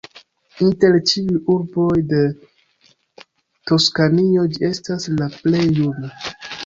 Inter ĉiuj urboj de Toskanio ĝi estas la plej juna.